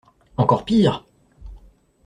Encore pire !